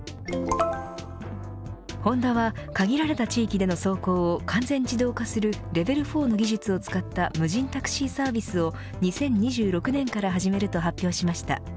ホンダは限られた地域での走行を完全自動化するレベル４の技術を使った無人タクシーサービスを２０２６年から始めると発表しました。